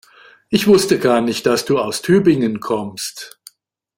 Ich wusste gar nicht, dass du aus Tübingen kommst